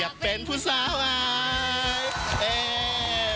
อย่าเป็นพุศาวาย